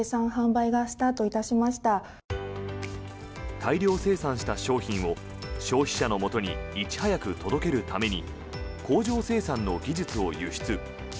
大量生産した商品を消費者のもとにいち早く届けるために工場生産の技術を輸出。